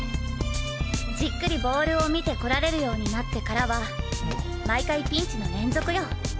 じっくりボールを見てこられるようになってからは毎回ピンチの連続よ。